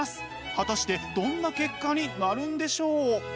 果たしてどんな結果になるんでしょう？